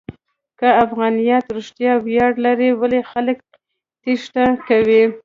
که افغانیت رښتیا ویاړ لري، ولې خلک تېښته کوي؟